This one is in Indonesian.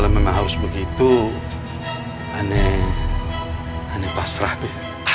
memang harus begitu aneh aneh pasrah deh